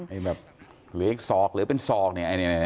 หรือเป็นสอกนี่แหละ